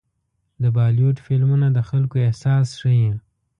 د بالیووډ فلمونه د خلکو احساس ښيي.